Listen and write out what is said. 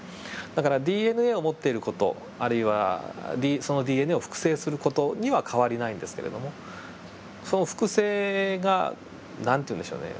だからＤＮＡを持っている事あるいはそのＤＮＡを複製する事には変わりないんですけれどもその複製が何て言うんでしょうね